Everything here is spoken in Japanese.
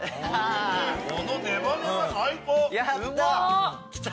このネバネバ最高！